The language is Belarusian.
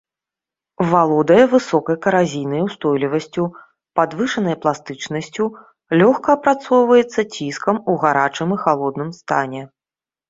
Валодае высокай каразійнай устойлівасцю, падвышанай пластычнасцю, лёгка апрацоўваецца ціскам ў гарачым і халодным стане.